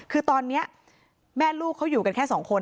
คือตอนนี้แม่ลูกเขาอยู่กันแค่สองคน